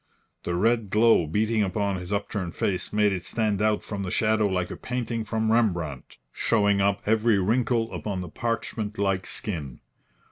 The red glow beating upon his upturned face made it stand out from the shadow like a painting from Rembrandt, showing up every wrinkle upon the parchment like skin.